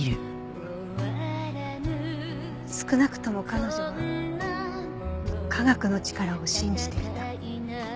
少なくとも彼女は科学の力を信じていた。